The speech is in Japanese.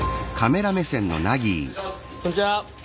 こんにちは。